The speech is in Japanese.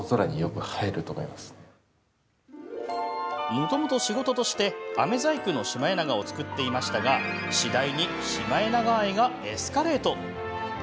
もともと仕事としてあめ細工のシマエナガを作っていましたが次第にシマエナガ愛がエスカレート。